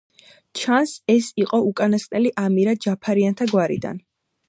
ჩანს, ეს იყო უკანასკნელი ამირა ჯაფარიანთა გვარიდან.